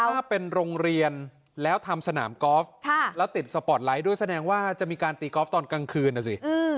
ถ้าเป็นโรงเรียนแล้วทำสนามกอล์ฟแล้วติดสปอร์ตไลท์ด้วยแสดงว่าจะมีการตีกอล์ฟตอนกลางคืนนะสิ